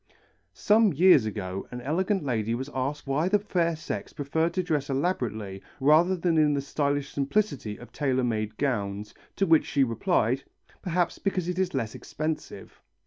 Some years ago an elegant lady was asked why the fair sex preferred to dress elaborately rather than in the stylish simplicity of tailor made gowns, to which she replied, "Perhaps because it is less expensive."